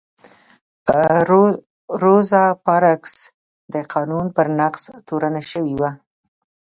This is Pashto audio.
روزا پارکس د قانون پر نقض تورنه شوې وه.